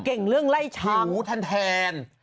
เก่งเรืองไล่ช้าง